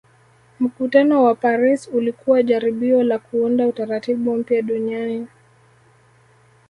Mkutano wa Paris ulikuwa jaribio la kuunda Utaratibu mpya duniani